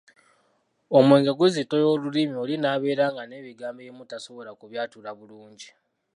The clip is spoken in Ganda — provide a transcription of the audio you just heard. Omwenge guzitoya olulimi oli n'abeera nga n'ebigambo ebimu tasobola kubyatula bulungi.